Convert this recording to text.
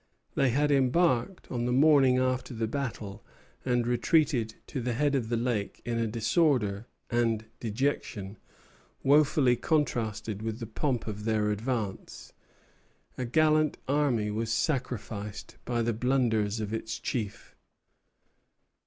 They had embarked on the morning after the battle, and retreated to the head of the lake in a disorder and dejection wofully contrasted with the pomp of their advance. A gallant army was sacrificed by the blunders of its chief.